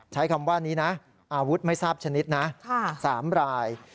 ใช้คำว่านี้นะอาวุธไม่ทราบชนิดนะ๓ราย